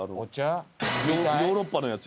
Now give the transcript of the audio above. ヨーロッパのやつ？